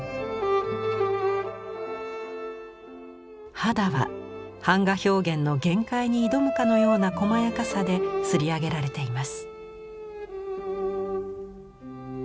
肌は版画表現の限界に挑むかのようなこまやかさでり上げられています。